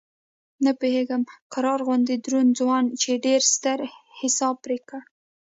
نه پوهېږم قرار غوندې دروند ځوان چې ډېر ستر حساب پرې کړی.